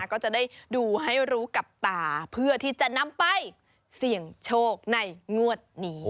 ก็จะได้ดูให้รู้กับตาเพื่อที่จะนำไปเสี่ยงโชคในงวดนี้